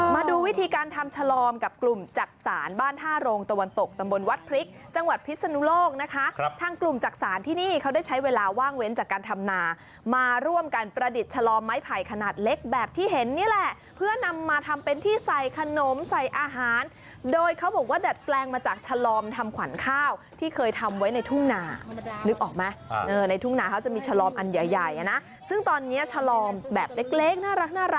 มาดูวิธีการทำชลอมกับกลุ่มจักษานบ้านท่าโรงตะวันตกตำบลวัดพริกจังหวัดพิศนุโลกนะคะทั้งกลุ่มจักษานที่นี่เขาได้ใช้เวลาว่างเว้นจากการทำนามาร่วมกันประดิษฐ์ชลอมไม้ไผ่ขนาดเล็กแบบที่เห็นนี่แหละเพื่อนำมาทำเป็นที่ใส่ขนมใส่อาหารโดยเขาบอกว่าดัดแปลงมาจากชลอมทำขวัญข้าวที่เคยทำ